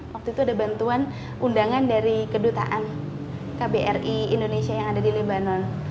waktu itu ada bantuan undangan dari kedutaan kbri indonesia yang ada di lebanon